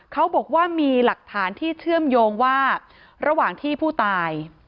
เขาบอกว่ามีหลักฐานที่เชื่อมโยงว่าระหว่างที่ผู้ตาย